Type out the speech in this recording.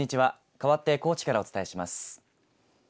かわって高知からお伝えします。